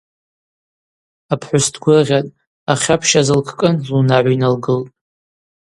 Апхӏвыс дгвыргъьатӏ, ахьапщ азылкӏкӏын лунагӏва йналгылтӏ.